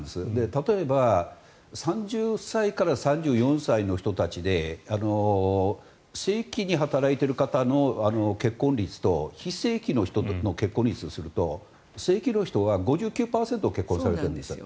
例えば３０歳から３４歳の人たちで正規に働いている方の結婚率と非正規の人の結婚率とすると正規の人は５９％結婚されているんです。